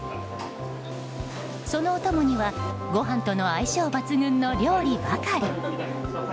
そのお供にはご飯との相性抜群の料理ばかり。